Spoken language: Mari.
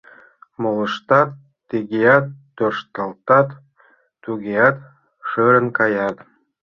Молыштат тыгеат тӧршталтат, тугеат шӧрын каят.